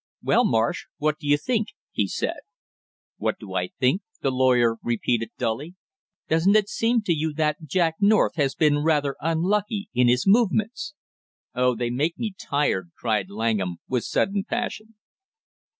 "Well, Marsh, what do you think?" he said. "What do I think?" the lawyer, repeated dully. "Doesn't it seem to you that Jack North has been rather unlucky in his movements?" "Oh, they make me tired!" cried Langham, with sudden passion.